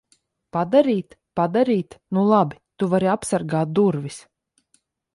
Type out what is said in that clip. Padarīt? Padarīt? Nu labi. Tu vari apsargāt durvis.